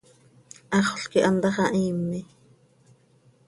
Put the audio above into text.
Haxöl quih antá xah hiime.